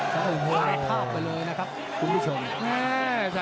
เตบไปเลยนะครับคุณผู้ชม